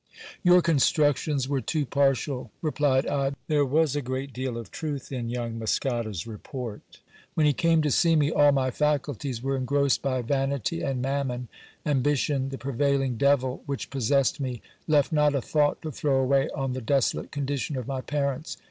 Your constructions were too partial, replied I ; there was a great deal of truth in young Muscada's report. When he came to see me all my faculties were engrossed by vanity and mammon ; ambition, the prevailing devil which possessed me, left not a thought to throw away on the desolate condition of my parents.